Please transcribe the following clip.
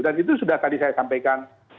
dan itu sudah tadi saya sampaikan